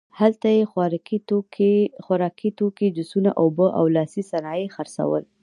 هلته یې خوراکي توکي، جوسونه، اوبه او لاسي صنایع خرڅول.